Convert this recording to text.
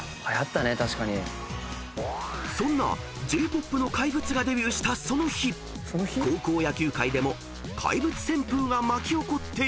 ［そんなＪ−ＰＯＰの怪物がデビューしたその日高校野球界でも怪物旋風が巻き起こっていた］